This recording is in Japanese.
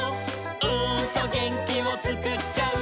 「うーんとげんきをつくっちゃう」